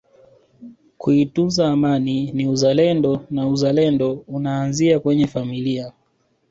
kuitunza Amani ni uzalendo na uzalendo unaanzia kwenye familia